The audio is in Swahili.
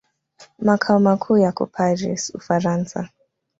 Makao makuu yako Paris, Ufaransa.